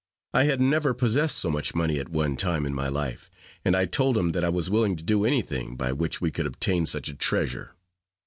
I had never possessed so much money at one time in my life; and I told him that I was willing to do anything by which we could obtain such a treasure.